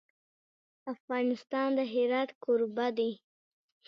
افغانستان د هرات کوربه دی.